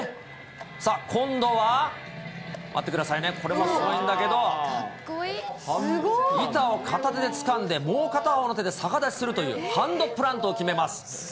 さあ、今度は、待ってくださいね、これもすごいんだけど、板を片手でつかんで、もう片方の手で逆立ちするという、ハンドプラントを決めます。